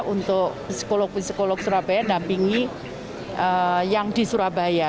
untuk psikolog psikolog surabaya dampingi yang di surabaya